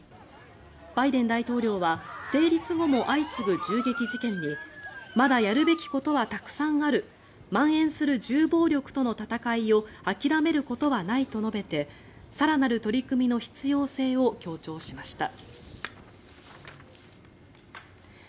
バイデン大統領は成立後も相次ぐ銃撃事件にまだやるべきことはたくさんあるまん延する銃暴力との闘いを諦めることはないと述べて更なる取り組みの必要性を強調しました。